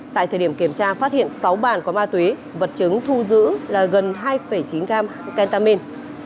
tại thời điểm kiểm tra phát hiện sáu bàn có ma túy vật chứng thu giữ là gần hai chín gram kentamin